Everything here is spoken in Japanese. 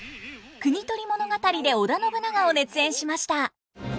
「国盗り物語」で織田信長を熱演しました。